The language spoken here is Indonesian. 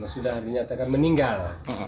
sudah dinyatakan meninggal